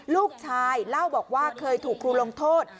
ลูกชายเล่าบอกว่าเคยถูกครูลงโทษ